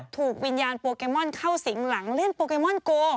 ถูกวิญญาณโปเกมอนเข้าสิงหลังเล่นโปเกมอนโก